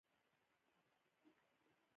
نورګله وروره د سمد له پلار سره د څه کار دى ؟